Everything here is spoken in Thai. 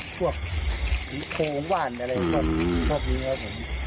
ผีโพงว่านอะไรของผีพวกนี้ครับ